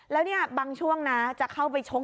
แล้วเนี่ยบางช่วงนะจะเข้าไปชก